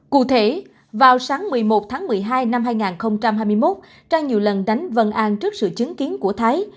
cụ thể vào sáng một mươi một tháng một mươi hai năm hai nghìn hai mươi một trang nhiều lần đánh vân an trước sự chứng kiến của thái